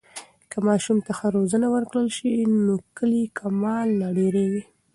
که ماشوم ته ښه روزنه ورکړل سي، نو کلی کمال لا ډېرېږي.